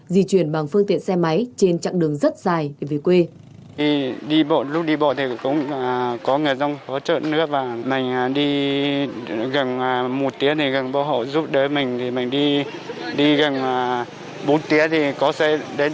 di chuyển bằng phương tiện xe máy trên chặng đường rất dài để về quê